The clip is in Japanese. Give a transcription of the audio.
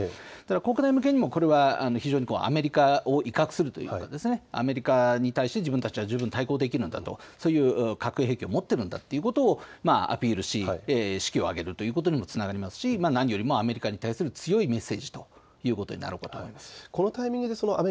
国内向けにもアメリカを威嚇するというかアメリカに対して自分たちは十分対抗できるんだと、そういう核兵器を持っているんだということをアピールし士気を上げるということにもつながりますし強いメッセージということになろうかと思います。